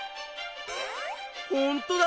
ほんとだ。